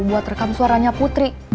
buat rekam suaranya putri